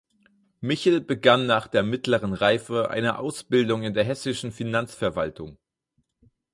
Michel begann nach der Mittleren Reife eine Ausbildung in der Hessischen Finanzverwaltung.